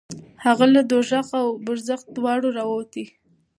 هغه له دوزخ او برزخ دواړو راوتی دی.